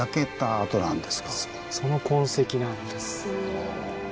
そのその痕跡なんです。